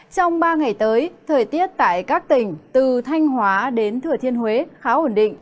trong ba ngày tới thời tiết tại các tỉnh từ thanh hóa đến thừa thiên huế khá ổn định